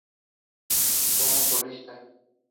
Como solista